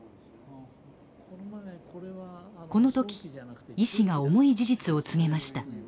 この時医師が重い事実を告げました。